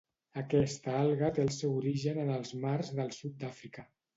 Aquesta alga té el seu origen en els mars del sud d'Àfrica.